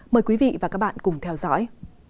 mời quý vị và các bạn cùng theo dõi